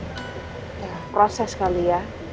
ya proses kali ya